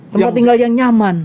tempat tinggal yang nyaman